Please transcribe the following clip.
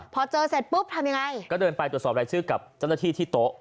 พอเจอเสร็จปุ๊บทำยังไงก็เดินไปตรวจสอบรายชื่อกับเจ้าหน้าที่ที่โต๊ะ